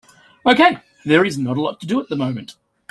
Okay, there is not a lot to do at the moment.